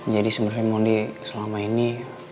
jadi semen maudy selama ini